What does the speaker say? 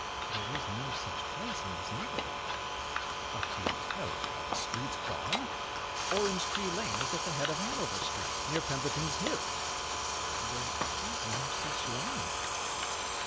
"There is no such place in this neighbourhood." "What do you tell me! Are the streets gone? Orange Tree Lane is at the head of Hanover Street, near Pemberton's Hill." "There is no such lane now."